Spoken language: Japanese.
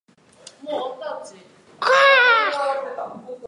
新機種が出たのにスペックはほとんど変わってない